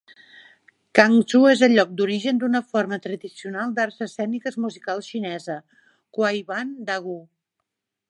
Cangzhou és el lloc d'origen d'una forma tradicional d'arts escèniques musicals xinesa: Kuaiban Dagu.